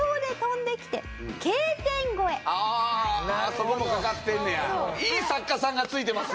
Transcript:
そこもかかってんねや。